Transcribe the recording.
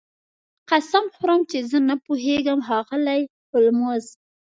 قسم خورم چې زه نه پوهیږم ښاغلی هولمز